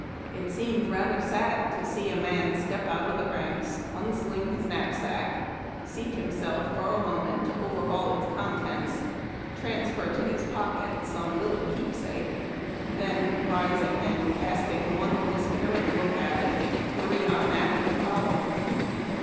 It seemed rather sad to see a man step out of the ranks, un sling his knapsack, seat himself for a moment to overhaul its contents, transfer to his pocket some little keepsake, then, rising, and casting one despairing look at it, hurry on after the column.